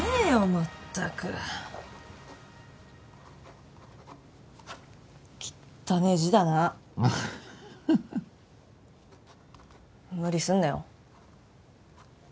まったくきったねえ字だな無理すんなよ